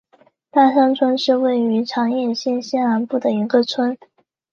大桑村是位于长野县西南部的一村。